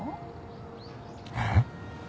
えっ？